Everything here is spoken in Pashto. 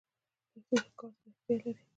پښتو کار ته اړتیا لري.